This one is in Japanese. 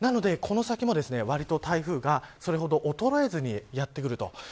なので、この先もわりと台風がそれほど衰えずにやってくると。